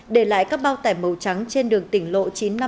để lại các bao tải màu trắng trên đường tỉnh lộ chín trăm năm mươi